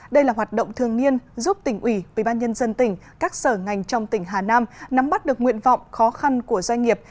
đây là hoạt động thường niên giúp tỉnh ủy ubnd tỉnh các sở ngành trong tỉnh hà nam nắm bắt được nguyện vọng khó khăn của doanh nghiệp